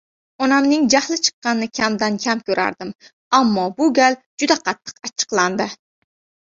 Onamning jahli chiqqanini kamdan-kam ko‘rardim. Ammo bu gal juda qattiq achchiqlandi.